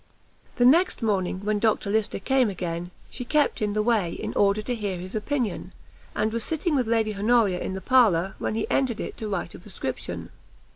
The next morning, when Dr Lyster came again, she kept in the way, in order to hear his opinion; and was sitting with Lady Honoria in the parlour, when he entered it to write a prescription.